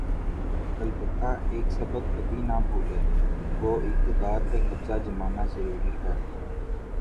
البتہ ایک سبق کبھی نہ بھولے‘ گو اقتدار پہ قبضہ جمانا ضروری ہے۔